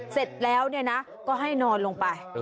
เสร็จแล้วก็ให้นอนลงไป